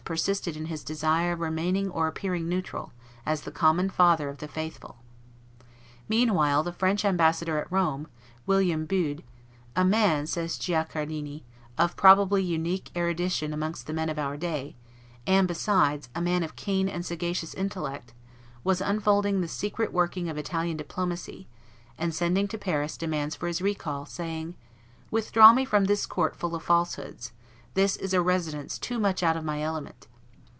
persisted in his desire of remaining or appearing neutral, as the common father of the faithful. Meanwhile the French ambassador at Rome, William Bude, "a man," says Guicciardini, "of probably unique erudition amongst the men of our day," and, besides, a man of keen and sagacious intellect, was unfolding the secret working of Italian diplomacy, and sending to Paris demands for his recall, saying, "Withdraw me from this court full of falsehoods; this is a residence too much out of my element."